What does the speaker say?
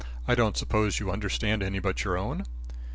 "I don't suppose you understand any but your own?"